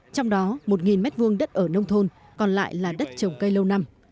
trong đó một m hai đất ở nông thôn còn lại là đất trồng cây lâu năm